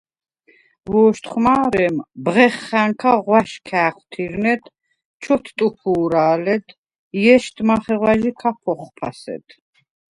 ვო̄შთხვ მა̄რე̄მ ბღეხა̈ნქა ღვაშ ქა̄̈ხვთუ̈რნედ, ჩოთტუფუ̄რა̄ლედ, ჲეშდ მახეღვა̈ჟი ქაფ ოხფასედ;